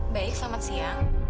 baik selamat siang